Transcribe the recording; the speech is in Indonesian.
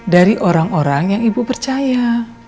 dari orang orang yang ibu percaya